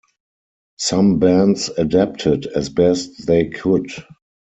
Some bands adapted as best they could.